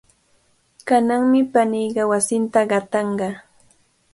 Kananmi paniiqa wasinta qatanqa.